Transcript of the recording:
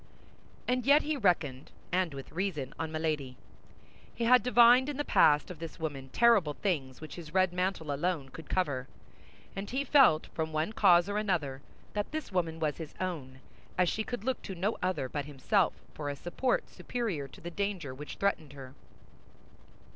And yet he reckoned, and with reason, on Milady. He had divined in the past of this woman terrible things which his red mantle alone could cover; and he felt, from one cause or another, that this woman was his own, as she could look to no other but himself for a support superior to the danger which threatened her.